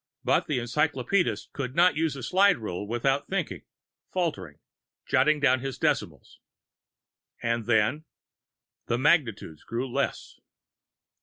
But the encyclopedist could not use a slide rule without thinking, faltering, jotting down his decimals. And then ... the magnitudes grew less.